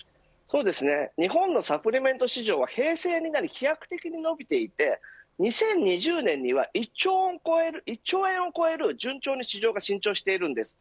日本のサプリメント市場は平成になり飛躍的に伸びていて２０２０年には１兆円を超え順調に市場が成長しているんです。